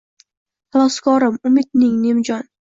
Xaloskorim umidning nimjon